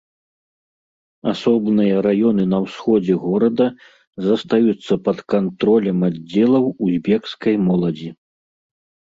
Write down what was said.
Асобныя раёны на ўсходзе горада застаюцца пад кантролем аддзелаў узбекскай моладзі.